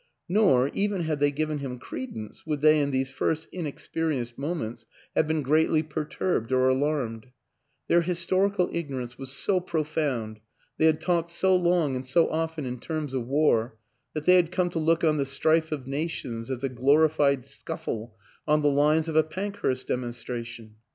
Nor, even had they given him credence, would they in these first inexperi enced moments have been greatly perturbed or alarmed; their historical ignorance was so pro found, they had talked so long and so often in terms of war, that they had come to look on the strife of nations as a glorified scuffle on the lines of a Pankhurst demonstration.